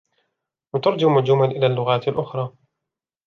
نترجم الجمل إلى اللغات الأخرى.